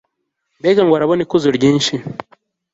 mbega ngo arabona ikuzo ryinshi